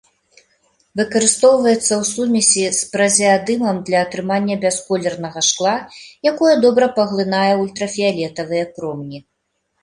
Выкарыстоўваецца ў сумесі з празеадымам для атрымання бясколернага шкла, якое добра паглынае ультрафіялетавыя промні.